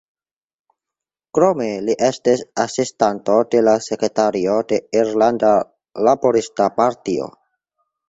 Krome li estis asistanto de la sekretario de Irlanda Laborista Partio.